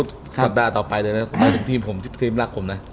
สัปดาห์ต่อไปถึงทีมรักผมนะ